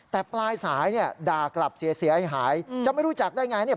แต่ปลายสายเนี่ยด่ากลับเสียหายจะไม่รู้จักได้ไงเนี่ย